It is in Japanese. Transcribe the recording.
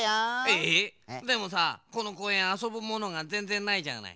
えでもさこのこうえんあそぶものがぜんぜんないじゃない。